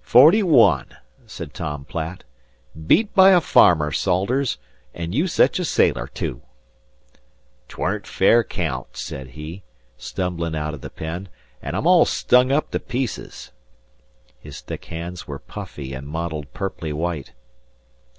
"Forty one," said Tom Platt. "Beat by a farmer, Salters. An' you sech a sailor, too!" "'Tweren't fair caount," said he, stumbling out of the pen; "an' I'm stung up all to pieces." His thick hands were puffy and mottled purply white.